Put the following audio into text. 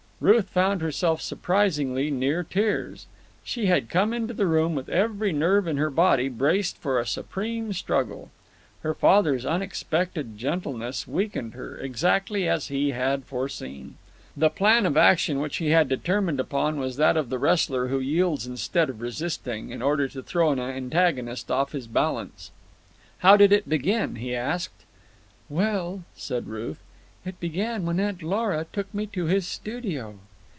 Ruth found herself surprisingly near tears. She had come into the room with every nerve in her body braced for a supreme struggle. Her father's unexpected gentleness weakened her, exactly as he had foreseen. The plan of action which he had determined upon was that of the wrestler who yields instead of resisting, in order to throw an antagonist off his balance. "How did it begin?" he asked. "Well," said Ruth, "it began when Aunt Lora took me to his studio."